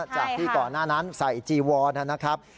จากที่ก่อนหน้านั้นใส่จีวอนนะครับ